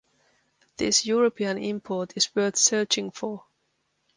This European import is worth searching for.